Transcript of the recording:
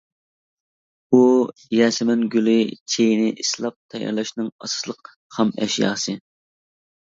ئۇ يەسىمەن گۈلى چېيىنى ئىسلاپ تەييارلاشنىڭ ئاساسلىق خام ئەشياسى.